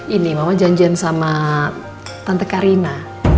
ini mama janjian sama tante karina